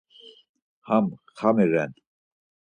Ham xami ren.